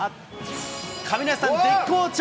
亀梨さん、絶好調。